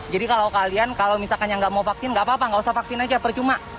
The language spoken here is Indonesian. jadi kalau kalian kalau misalkan yang nggak mau vaksin nggak apa apa nggak usah vaksin aja percuma